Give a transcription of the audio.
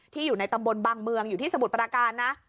อยู่ในตำบลบางเมืองอยู่ที่สมุทรปราการนะ